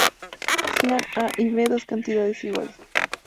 Sean "a" y "b" dos cantidades iguales.